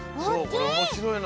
おおきい！